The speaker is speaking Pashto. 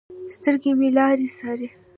سترګې مې لار څارې